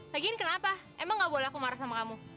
lagian kenapa emang nggak boleh aku marah sama kamu